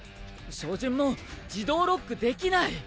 照準も自動ロックできない。